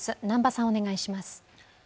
南波さん、お願いします。